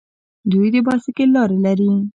دوی د بایسکل لارې لري.